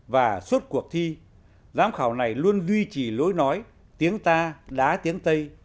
và suốt cuộc thi giám khảo này luôn duy trì lối nói tiếng ta đá tiếng tây